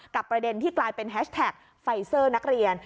ประเด็นที่กลายเป็นแฮชแท็กไฟเซอร์นักเรียน